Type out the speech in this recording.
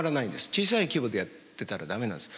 小さい規模でやってたらダメなんです。